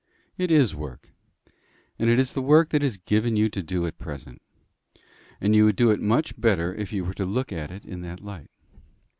"It is work. And it is the work that is given you to do at present. And you would do it much better if you were to look at it in that light.